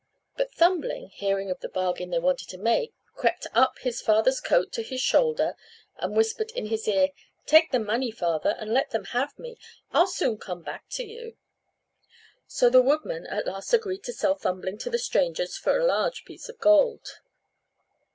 But Thumbling, hearing of the bargain they wanted to make, crept up his father's coat to his shoulder, and whispered in his ear, "Take the money, father, and let them have me; I'll soon come back to you." So the woodman at last agreed to sell Thumbling to the strangers for a large piece of gold.